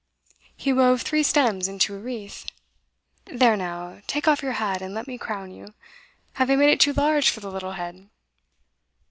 He wove three stems into a wreath. 'There now, take off your hat, and let me crown you. Have I made it too large for the little head?